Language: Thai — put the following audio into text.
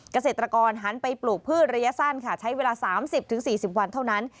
เกษตรกรหันไปปลูกพืชระยะสั้นค่ะใช้เวลา๓๐๔๐วันเท่านั้น